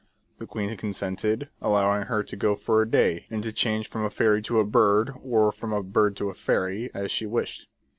The queen consented, allowing her to go for a day, and to change from a fairy to a bird, or from a bird to a fairy, as she wished.